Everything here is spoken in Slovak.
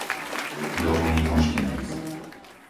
Dolný Moštenec